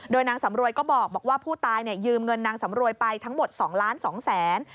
นางสำรวยก็บอกว่าผู้ตายยืมเงินนางสำรวยไปทั้งหมด๒ล้าน๒แสน